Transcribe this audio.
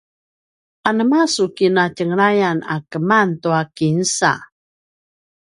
anema a su kinatjenglayan a keman tua kinsa?